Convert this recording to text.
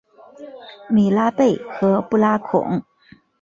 米拉贝和布拉孔。